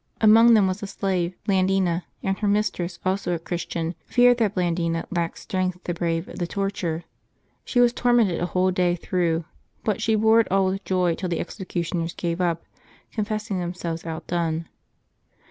Among them was a slave, Blandina : and her mistress, also a Christian, feared that Blandina lacked strength to brave the torture. She was tormented a whole day through, but she bore it all with joy till the executioners gave up, con June 3] LIVES OF THE SAINTS 203 feseing themselves outdone.